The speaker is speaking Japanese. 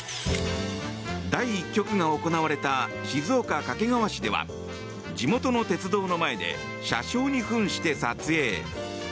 第１局が行われた静岡・掛川市では地元の鉄道の前で車掌に扮して撮影。